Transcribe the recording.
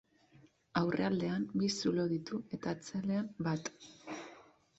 Aurrealdean bi zulo ditu, eta atzealdean bat.